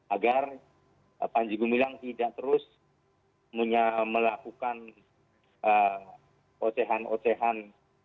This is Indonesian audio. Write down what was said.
agar panji gumilang tidak terus melakukan ocehan ocehan